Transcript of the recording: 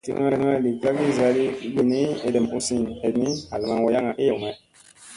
Tliyna li kagi zaali yoodi ni, edem u siiŋ eɗni hal maŋ wayaŋga eyew may.